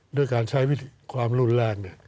ด้วยการใช้วิธีความรุนแรง